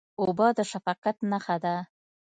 اوبه د شفقت نښه ده.